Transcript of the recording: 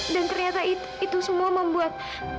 dan ternyata itu semua membuat